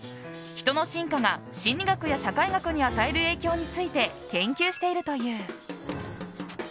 ヒトの進化が心理学や社会学に与える影響について研究しているという。